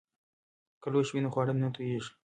که لوښي وي نو خواړه نه توییږي.